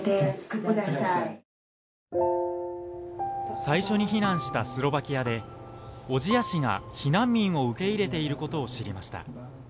最初に避難したスロバキアで小千谷市が避難民を受け入れていることを知りました。